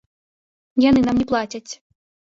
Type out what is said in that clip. Яны нам не плацяць.